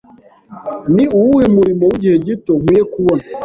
Ni uwuhe murimo w'igihe gito nkwiye kubona?